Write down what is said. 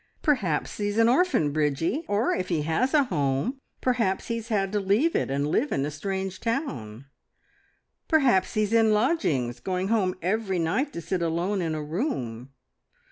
Perhaps he's an orphan, Bridgie; or if he has a home, perhaps he's had to leave it and live in a strange town. ... Perhaps he's in lodgings, going home every night to sit alone in a room.